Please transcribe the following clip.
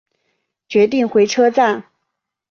决定回车站